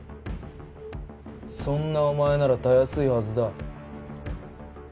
そんなお前ならたやすいはずだ。